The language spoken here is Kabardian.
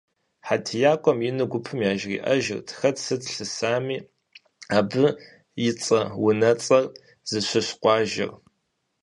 ХьэтиякӀуэм ину гупым яжриӀэжырт хэт сыт лъысами, абы и цӀэ-унуэцӀэр, зыщыщ къуажэр.